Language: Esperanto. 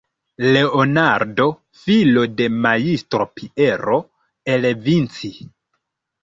Leonardo, filo de majstro Piero, el Vinci.